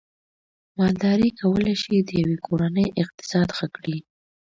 مالداري کولای شي د یوې کورنۍ اقتصاد ښه کړي